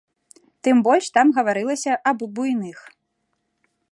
Тым больш там гаварылася аб буйных.